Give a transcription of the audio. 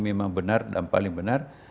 memang benar dan paling benar